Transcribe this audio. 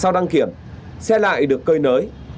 sau đăng kiểm xe lại được cơi nới